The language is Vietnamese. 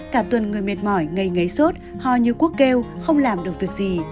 cả tuần người mệt mỏi ngây ngấy sốt hò như cuốc keo không làm được việc gì